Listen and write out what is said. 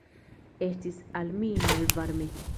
Estis al mi malvarme.